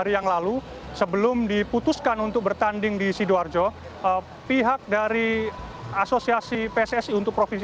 hari yang lalu sebelum diputuskan untuk bertanding di sidoarjo pihak dari asosiasi pssi untuk provinsi